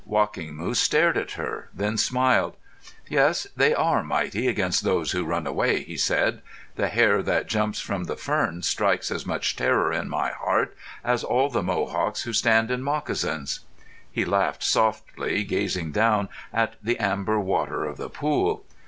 Walking Moose stared at her, then smiled. "Yes, they are mighty against those who run away," he said. "The hare that jumps from the fern strikes as much terror in my heart as all the Mohawks who stand in moccasins." He laughed softly, gazing down at the amber water of the pool.